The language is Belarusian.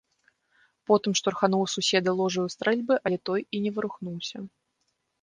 Потым штурхануў суседа ложаю стрэльбы, але той і не варухнуўся.